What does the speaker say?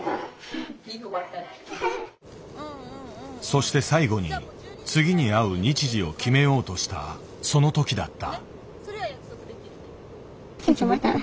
そして最後に次に会う日時を決めようとしたその時だった。